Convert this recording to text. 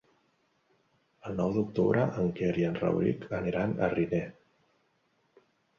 El nou d'octubre en Quer i en Rauric aniran a Riner.